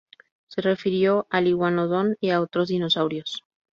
Se refirió al "Iguanodon" y a otros dinosaurios.